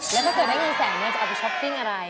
แล้วถ้าเกิดได้เงินแสนเนี่ยจะเอาไปช้อปปิ้งอะไร